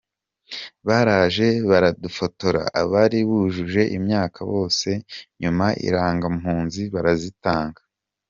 Baraje baradufotora, abari bujuje imyaka bose nyuma Irangampunzi barazitanga.